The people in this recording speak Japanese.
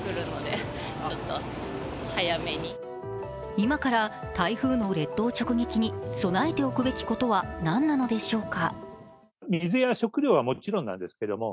今から台風の列島直撃に備えておくことは何なのでしょうか？